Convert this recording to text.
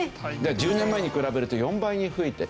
１０年前に比べると４倍になってる。